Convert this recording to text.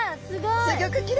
すギョくきれいですね。